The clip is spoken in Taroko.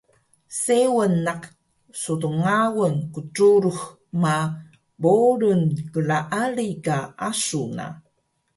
Seung naq stngayun qcurux ma bolung klaali ka asu na